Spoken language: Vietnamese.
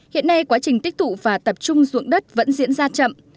hiện nay quá trình tích tụ và tập trung dụng đất vẫn diễn ra chậm